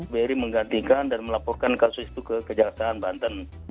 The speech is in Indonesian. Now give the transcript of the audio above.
bri menggantikan dan melaporkan kasus itu ke kejaksaan banten